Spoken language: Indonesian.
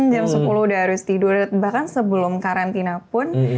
jam sepuluh udah harus tidur bahkan sebelum karantina pun